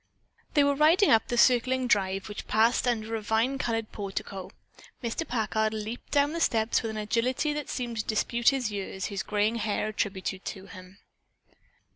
They were riding up to the circling drive which passed under a vine covered portico. Mr. Packard leaped down the steps with an agility which seemed to dispute the years his graying hair attributed to him.